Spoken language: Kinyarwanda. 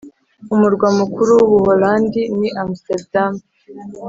umurwa mukuru w’ubuholandi ni amsterdam.